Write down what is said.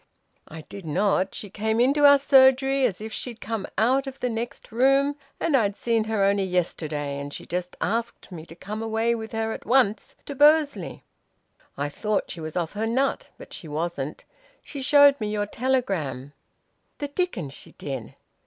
"I did not. She came into our surgery, as if she'd come out of the next room and I'd seen her only yesterday, and she just asked me to come away with her at once to Bursley. I thought she was off her nut, but she wasn't. She showed me your telegram." "The dickens she did!"